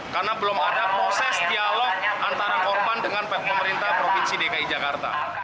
karena belum ada proses dialog antara korban dengan pemerintah provinsi dki jakarta